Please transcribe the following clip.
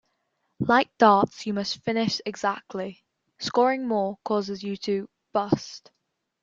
Like darts you must finish exactly - scoring more causes you to "bust".